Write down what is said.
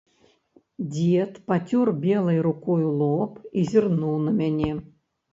Дзед пацёр белай рукою лоб і зірнуў на мяне.